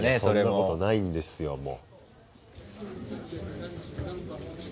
そんなことないんですよ。